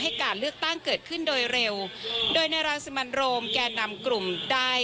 การเลือกตั้งเกิดขึ้นโดยเร็วโดยในรังสิมันโรมแก่นำกลุ่มได้